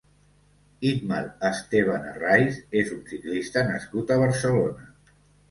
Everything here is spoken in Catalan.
Itmar Esteban Herraiz és un ciclista nascut a Barcelona.